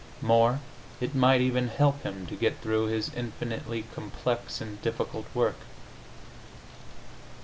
More, it might even help Him to get through His infinitely complex and difficult work.